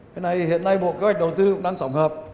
cái này hiện nay bộ kế hoạch đầu tư cũng đang tổng hợp